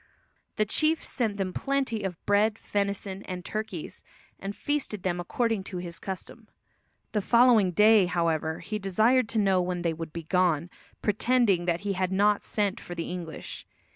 The chief sent them plenty of bread, venison and turkeys, and feasted them according to his custom. The following day, however, he desired to know when they "would be gone," pretending that he had not sent for the English.